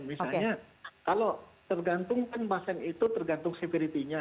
misalnya kalau tergantung kan pasien itu tergantung security nya